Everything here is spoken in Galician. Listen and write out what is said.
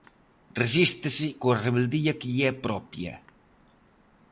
Resístese, coa rebeldía que lle é propia.